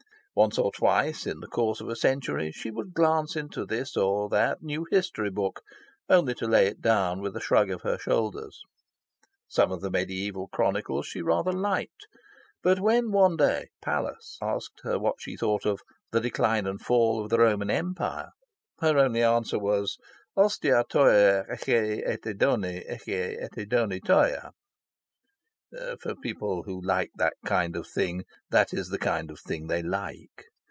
Once or twice in the course of a century, she would glance into this or that new history book, only to lay it down with a shrug of her shoulders. Some of the mediaeval chronicles she rather liked. But when, one day, Pallas asked her what she thought of "The Decline and Fall of the Roman Empire" her only answer was "ostis toia echei en edone echei en edone toia" (For people who like that kind of thing, that is the kind of thing they like).